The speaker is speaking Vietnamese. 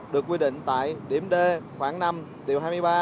được quy định tại điểm d khoảng năm điều hai mươi ba